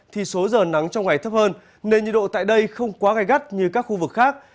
thì số giờ nắng trong ngày thấp hơn nền nhiệt độ tại đây không quá gai gắt như các khu vực khác